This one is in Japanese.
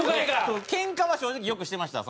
けんかは正直よくしてました。